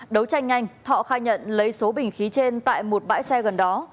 đấu tranh nhanh thọ khai nhận lấy số bình khí trên tại một bãi xe gần đó